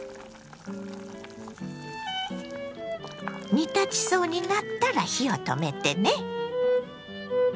煮立ちそうになったら火を止めてね。